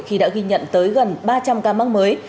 khi đã ghi nhận tới gần ba trăm linh ca mắc mới